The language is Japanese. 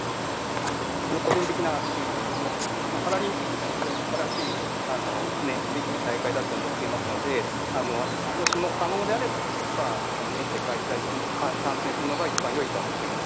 個人的な意見ですけれども、パラリンピックというのは、とてもすばらしい記念すべき大会だと思っていますので、もしも可能であれば現地で観戦するのが一番よいとは思っています。